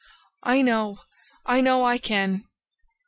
"I know! I know I can!"